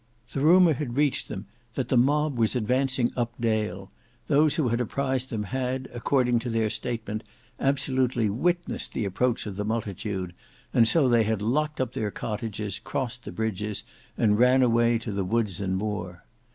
The rumour had reached them that the mob was advancing up Dale, those who had apprised them had, according to their statement, absolutely witnessed the approach of the multitude, and so they had locked up their cottages, crossed the bridge, and ran away to the woods and moor.